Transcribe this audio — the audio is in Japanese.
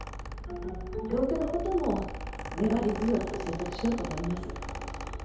同居のことも粘り強く説得しようと思います。